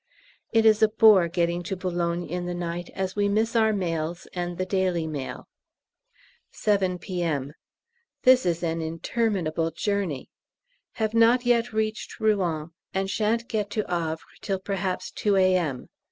It is a bore getting to B. in the night, as we miss our mails and the 'Daily Mail.' 7 P.M. This is an interminable journey. Have not yet reached Rouen, and shan't get to Havre till perhaps 2 A.M.